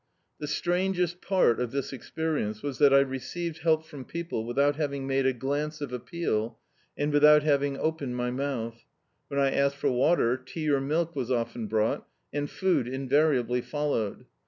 The strangest part of this experience was that I received help from people without having made a glance o^ appeal, and without having opened my mouth. When I asked for water, tea or milk was often brou^t, and food invariably followed.